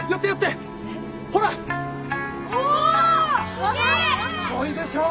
すごいでしょう！